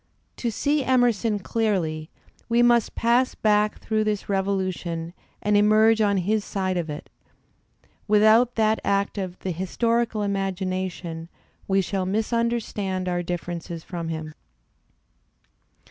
To see Emerson clearly we must pass back through this revolution and emerge on his side of it; without that act of the historical imagination we shall mis understand our differences from him.